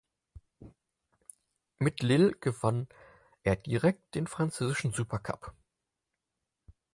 Mit Lille gewann er direkt den französischen Supercup.